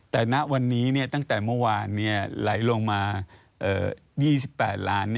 แต่ณวันนี้ตั้งแต่เมื่อวานไหลลงมา๒๘ล้าน